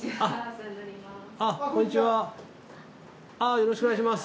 よろしくお願いします。